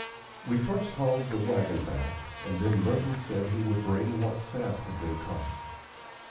We first hauled the wagon back, and then Merton said he would bring what sap had been caught.